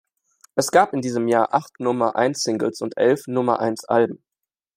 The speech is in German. Es gab in diesem Jahr acht Nummer-eins-Singles und elf Nummer-eins-Alben.